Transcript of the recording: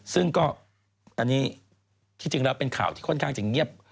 ซึ่งก็ตอนนี้ที่จริงแล้วเป็นข่าวที่ค่อนข้างจะเงียบ